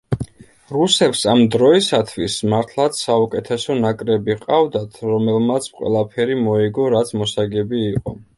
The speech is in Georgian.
რუსებს ამ დროისათვის მართლაც საუკეთესო ნაკრები ჰყავდათ, რომელმაც ყველაფერი მოიგო, რაც მოსაგები იყო.